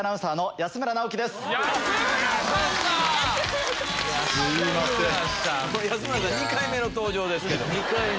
安村さん２回目の登場です。